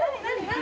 何？